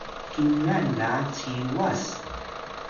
kingan ga Ciwas